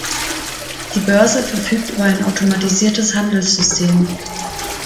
Die Börse verfügt über ein automatisiertes Handelssystem.